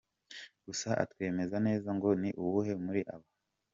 Gusa atakwemeza neza ngo ni uwuhe muri aba.